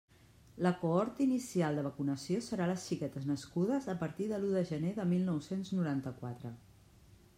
La cohort inicial de vacunació serà les xiquetes nascudes a partir de l'u de gener de mil nou-cents noranta-quatre.